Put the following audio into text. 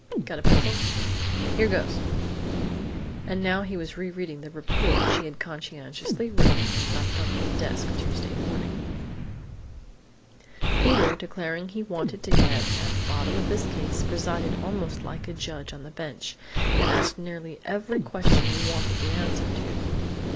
Got a pencil?... Here goes!" And now he was re reading the "report" she had conscientiously written and left on his desk Tuesday morning: "Peter, declaring he wanted to get at the bottom of this case, presided almost like a judge on the bench, and asked nearly every question you wanted the answer to.